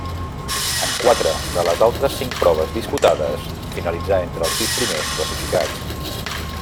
En quatre de les altres cinc proves disputades finalitzà entre els sis primers classificats.